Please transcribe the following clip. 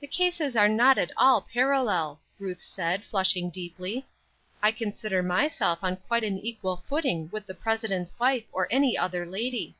"The cases are not at all parallel," Ruth said, flushing deeply. "I consider myself on quite an equal footing with the President's wife or any other lady."